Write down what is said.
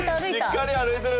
しっかり歩いてる！